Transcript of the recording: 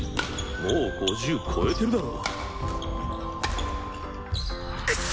もう５０超えてるだろ？